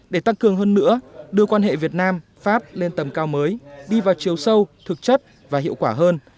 để tăng cường hơn nữa đưa quan hệ việt nam pháp lên tầm cao mới đi vào chiều sâu thực chất và hiệu quả hơn